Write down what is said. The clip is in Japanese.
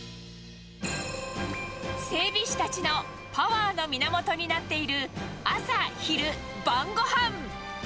整備士たちのパワーの源になっている朝、昼、晩ごはん。